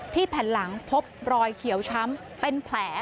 แผ่นหลังพบรอยเขียวช้ำเป็นแผล